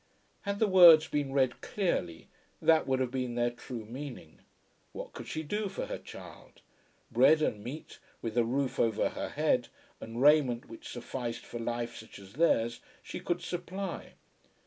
Had the words been read clearly, that would have been their true meaning. What could she do for her child? Bread and meat, with a roof over her head, and raiment which sufficed for life such as theirs, she could supply.